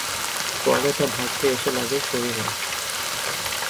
ফলে তার ধাক্কা এসে লাগে শরীরে।